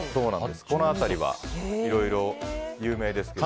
この辺りはいろいろ有名ですけど。